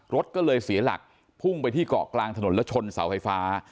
รถก็เลยเสียหลักพุ่งไปที่เกาะกลางถนนแล้วชนเสาไฟฟ้า